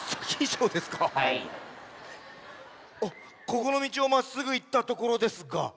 ここのみちをまっすぐいったところですが。